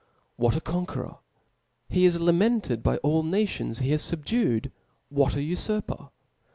What a conqueror ! he is lamented by all the nations he has fubdued 1 What ai) ulurper!